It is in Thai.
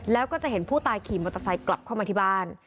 แล้วก็จะเห็นผู้ตายขี่มอเตอร์ไซค์กลับเข้ามาที่บ้าน